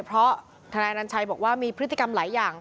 เพราะทนายอนัญชัยบอกว่ามีพฤติกรรมหลายอย่าง